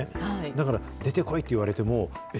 だから、出てこいと言われても、え？